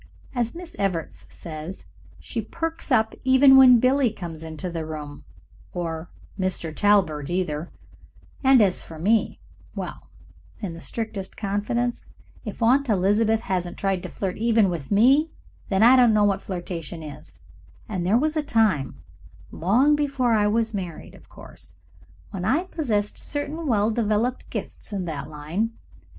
As Mrs. Evarts says, she perks up even when Billie comes into the room or Mr. Talbert, either; and as for me well, in the strictest confidence, if Aunt Elizabeth hasn't tried to flirt even with me, then I don't know what flirtation is, and there was a time long before I was married, of course when I possessed certain well developed gifts in that line.